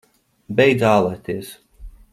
Beidz ālēties!